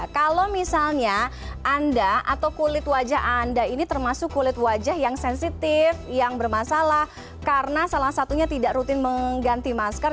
kalau misalnya anda atau kulit wajah anda ini termasuk kulit wajah yang sensitif yang bermasalah karena salah satunya tidak rutin mengganti masker